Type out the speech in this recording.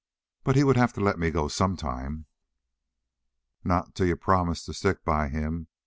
But he would have to let me go sometime." "Not till you'd promised to stick by him.